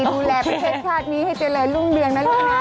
ดูแลประเทศชาตินี้ให้เจริญรุ่งเรืองนะลูกนะ